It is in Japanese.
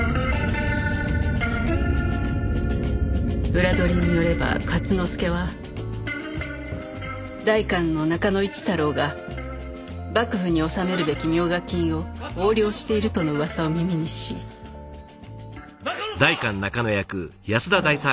裏取りによれば勝之助は代官の中野市太郎が幕府に納めるべき冥加金を横領しているとの噂を耳にし中野さま！